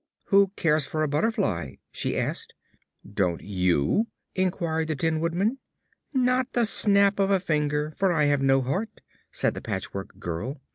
"Who cares for a butterfly?" she asked. "Don't you?" inquired the Tin Woodman. "Not the snap of a finger, for I have no heart," said the Patchwork Girl.